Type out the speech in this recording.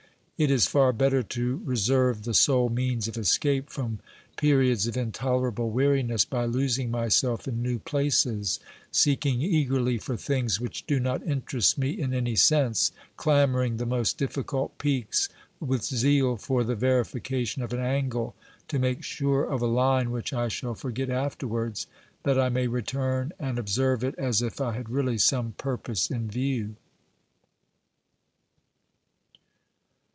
It is far better to reserve the sole means of escape from periods of intolerable weariness by losing myself in new places, seeking eagerly for things which do not interest me in any sense, clambering the most difficult peaks with zeal for the verification of an angle, to make sure of a Une which I shall forget afterwards, that I may return and observe it as if I had really some purpose in view.